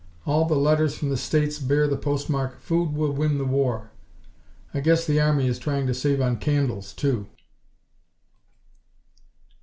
"All the letters from the States bear the postmark, 'Food Will Win The War.' I guess the Army is trying to save on candles, too."